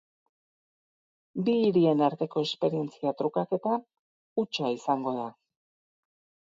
Bi hirien arteko esperientzia trukaketa hutsa izango da.